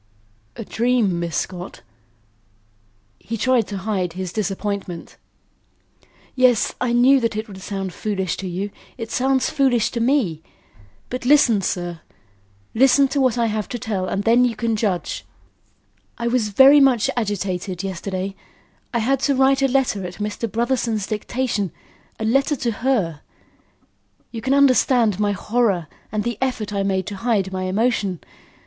"A dream, Miss Scott?" He tried to hide his disappointment. "Yes; I knew that it would sound foolish to you; it sounds foolish to me. But listen, sir. Listen to what I have to tell and then you can judge. I was very much agitated yesterday. I had to write a letter at Mr. Brotherson's dictation a letter to her. You can understand my horror and the effort I made to hide my emotion.